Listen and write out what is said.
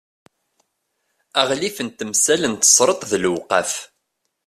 aɣlif n temsal n tesreḍt d lewqaf